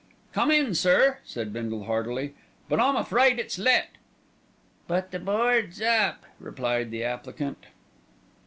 "Come in, sir," said Bindle heartily; "but I'm afraid it's let." "But the board's up," replied the applicant.